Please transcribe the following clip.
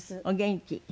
お元気？